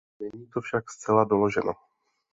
Není to však zcela doloženo.